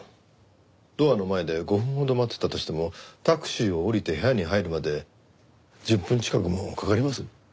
ドアの前で５分ほど待ってたとしてもタクシーを降りて部屋に入るまで１０分近くもかかります？